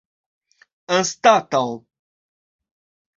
anstataŭ